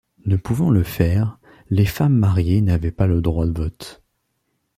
Ne pouvant le faire, les femmes mariées n'avaient pas le droit de vote.